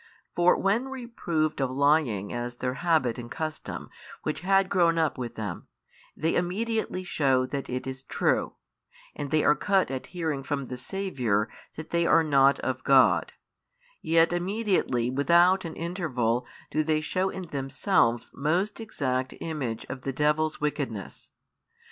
For when reproved of lying as their habit and custom which had grown up with them, they immediately shew that it is true, and they are cut at hearing from the Saviour that they are not of God, yet immediately without an interval do they shew in themselves most exact image of the devil's wickedness.